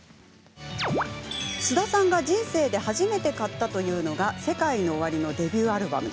菅田さんが人生で初めて買ったというのがＳＥＫＡＩＮＯＯＷＡＲＩのデビューアルバム。